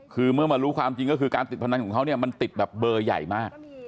คือเมื่อมารู้ความจริงก็คือการติดพนันของเขาเนี่ยมันติดแบบเบอร์ใหญ่มาก